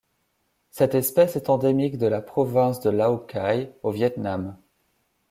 Cette espèce est endémique de la province de Lào Cai au Viêt Nam.